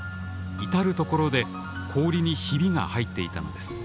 至る所で氷にひびが入っていたのです。